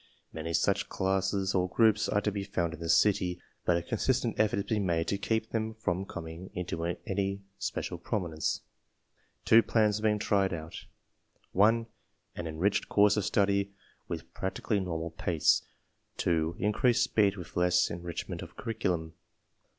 Many such classes or groups are to be found in the city, but a consistent effort is being made to keep them from com ing into any special prominence. Two plans are being tried out: (1) an enriched course of study with prac tically normal pace; (2) increased speed with less en richment of curriculum.